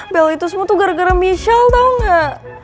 bel itu semua tuh gara gara michelle tau gak